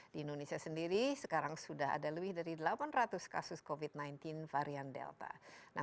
di indonesia sendiri sekarang sudah ada lebih dari delapan ratus kasus covid sembilan belas varian delta